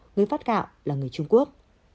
người phát gạo là người trung quốc